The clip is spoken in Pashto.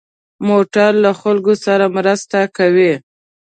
موټر له خلکو سره مرسته کوي.